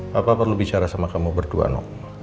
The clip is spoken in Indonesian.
papa perlu bicara sama kamu berdua no